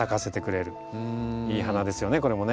いい花ですよねこれもね。